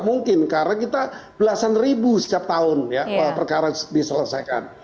mungkin karena kita belasan ribu setiap tahun ya perkara diselesaikan